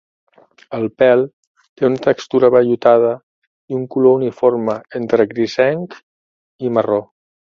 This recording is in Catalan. El pèl té una textura vellutada i un color uniforme entre grisenc i marró.